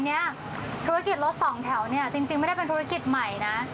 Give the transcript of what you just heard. เนี่ยธุรกิจรถสองแถวเนี่ยจริงไม่ได้เป็นธุรกิจใหม่นะ